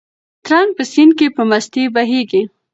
ترنګ په سیند کې په مستۍ بهېږي.